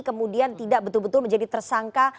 kemudian tidak betul betul menjadi tersangka